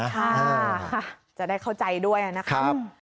ค่ะจะได้เข้าใจด้วยนะครับ